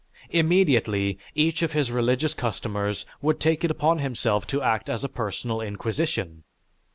Immediately, each of his religious customers would take it upon himself to act as a personal inquisition.